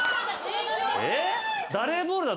えっ？